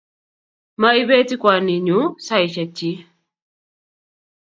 Maibeti kwaninyu saishek chiik